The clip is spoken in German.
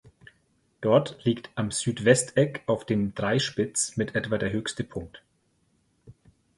Dort liegt am Südwesteck auf dem "Dreispitz" mit etwa der höchste Punkt.